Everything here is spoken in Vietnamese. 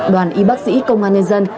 đoàn y bác sĩ công an nhân dân